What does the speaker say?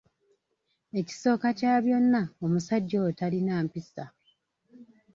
Ekisooka kya byonna omusajja oyo talina mpisa.